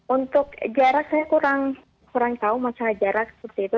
untuk jarak saya kurang tahu masalah jarak seperti itu